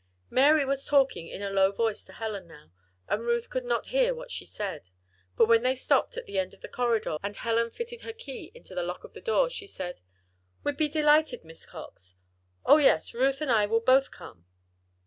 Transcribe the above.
Mary was talking in a low voice to Helen now, and Ruth could not hear what she said. But when they stopped at the end of the corridor, and Helen fitted her key into the lock of the door, she said: "We'd be delighted, Miss Cox. Oh, yes! Ruth and I will both come."